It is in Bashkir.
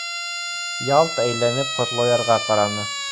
Ялт әйләнеп Ҡотлоярға ҡараны.